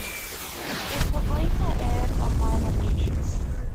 It was later aired online on YouTube.